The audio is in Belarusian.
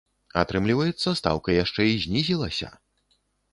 Атрымліваецца, стаўка яшчэ і знізілася!